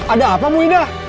ada apa bu ida